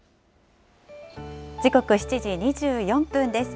時刻７時２４分です。